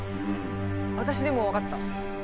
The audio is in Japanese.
私でも分かった。